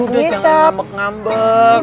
yaudah jangan ngambek ngambek